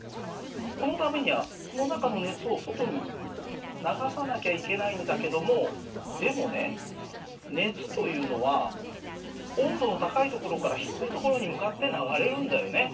このためにはこの中の熱を外に流さなきゃいけないんだけどもでもね熱というのは温度の高いところから低いところに向かって流れるんだよね。